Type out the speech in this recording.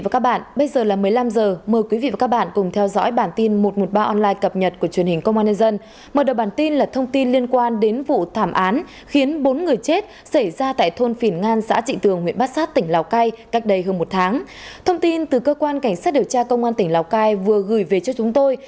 các bạn hãy đăng ký kênh để ủng hộ kênh của chúng mình nhé